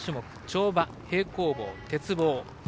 跳馬、平行棒、鉄棒。